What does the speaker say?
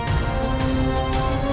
dari mana saja